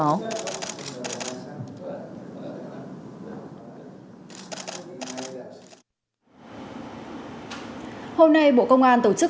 hôm nay bộ công an tổ chức hội nghị trực tuyến